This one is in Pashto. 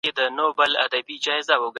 د نورو نظرونو ته غوږ ونيسئ.